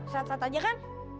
sehat sehat aja kan